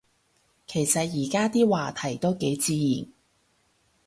其實而家啲話題都幾自然